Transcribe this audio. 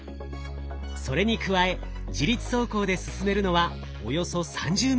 それに加え自律走行で進めるのはおよそ３０ｍ。